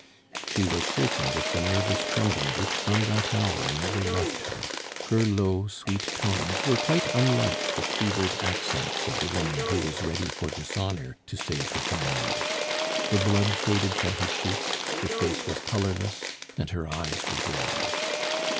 She was shaking with the nervous trembling which from that hour never left her. Her low, sweet tones were quite unlike the fevered accents of the woman who was ready for dishonor to save her family. The blood faded from her cheeks, her face was colorless, and her eyes were dry.